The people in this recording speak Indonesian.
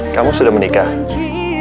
kamu sudah menikah